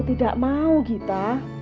tidak mau gita